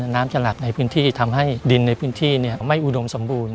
น้ำจะหลักในพื้นที่ทำให้ดินในพื้นที่ไม่อุดมสมบูรณ